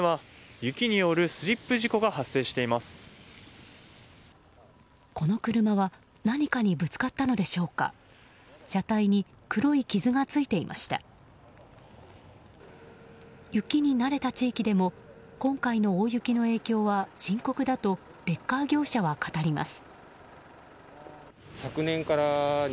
雪に慣れた地域でも今回の大雪の影響は深刻だとレッカー業者は語ります。